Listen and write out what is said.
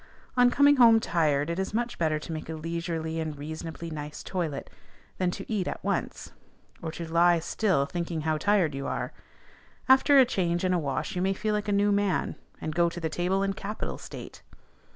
On coming home tired it is much better to make a leisurely and reasonably nice toilet, than to eat at once, or to lie still thinking how tired you are; after a change and a wash you feel like a "new man," and go to the table in capital state.